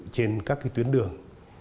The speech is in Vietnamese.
trên các tuyến đường